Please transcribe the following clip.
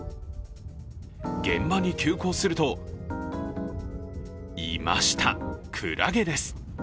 現場に急行すると、いました、クラゲです。